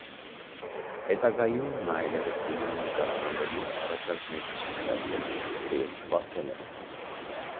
Հետագայում նա այլևս կինոյում նկարահանվելու առաջարկներ չի ստացել, թեև սպասել է։